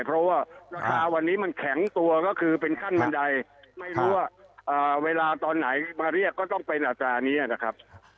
เพราะว่าราคาวันนี้มันแข็งตัวก็คือเป็นขั้นบันไดไม่รู้ว่าเวลาตอนไหนมาเรียกก็ต้องเป็นอัตรานี้นะครับ